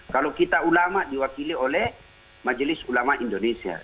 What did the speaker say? kalau kita ulama diwakili oleh majelis ulama indonesia